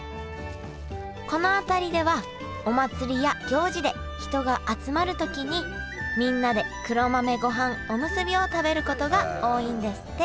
この辺りではお祭りや行事で人が集まる時にみんなで黒豆ごはんおむすびを食べることが多いんですって。